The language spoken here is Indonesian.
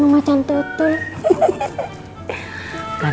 udah cuci tangan